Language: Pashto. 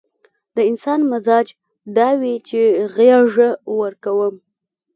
د انسان مزاج دا وي چې غېږه ورکوم.